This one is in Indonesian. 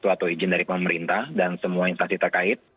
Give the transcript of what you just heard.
ada suatu izin dari pemerintah dan semua instansi terkait